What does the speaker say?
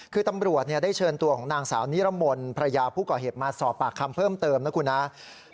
คือตำรวจได้เชิญตัวของนางสาวนิรมนต์ภรรยาผู้ก่อเหตุมาสอบปากคำเพิ่มเติมนะครับ